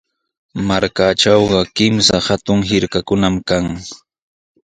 Markaatrawqa kimsa hatun hirkakunami kan.